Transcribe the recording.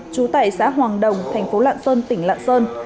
trú tại xã hoàng đồng thành phố lạng sơn tỉnh lạng sơn